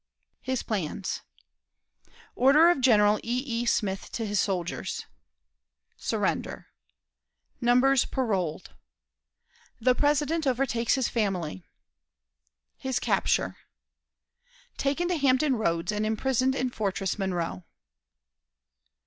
His Plans. Order of General E. E. Smith to his Soldiers. Surrender. Numbers paroled. The President overtakes his Family. His Capture. Taken to Hampton Roads, and imprisoned in Fortress Monroe.